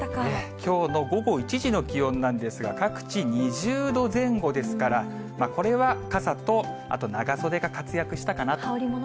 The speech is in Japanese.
きょうの午後１時の気温なんですが、各地２０度前後ですから、これは傘と、あと長袖が活躍したかなと。